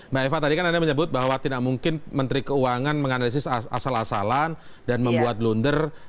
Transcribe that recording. mbak eva tadi kan anda menyebut bahwa tidak mungkin menteri keuangan menganalisis asal asalan dan membuat blunder